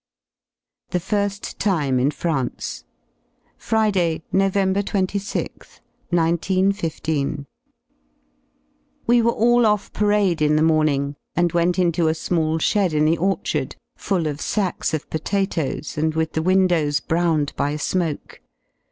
THE FIRST TIME IN FRANCE Friday, Nov. 26th, 19 15. We were all off parade in the morning and went into a small shed in the orchard, full of sacks of potatoes, and with the windows browned by smoke.